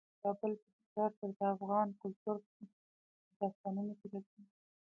کابل په تکرار سره د افغان کلتور په داستانونو کې راځي.